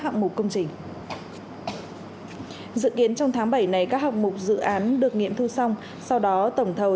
hạng mục công trình dự kiến trong tháng bảy này các hạng mục dự án được nghiệm thu xong sau đó tổng thầu